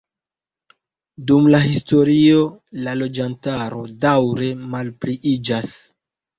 Dum la historio la loĝantaro daŭre malpliiĝas.